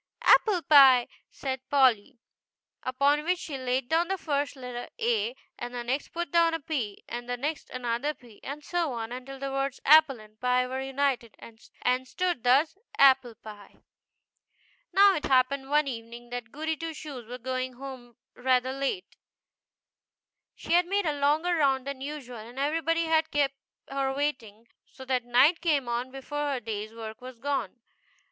" Apple pie," said Polly ; upon which she laid down the first letter, A, and the next put down a P, and the next another P, and so on until the words Apple and Pie were united, and stood thus: APPLE PIE. Now it happened one evening that Goody Two Shoes was going home rather late. She had made a longer round than usual, and everybody had kept her waiting, so that night came on before her day's work was done.